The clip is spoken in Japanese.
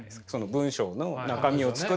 文章の中身を作って。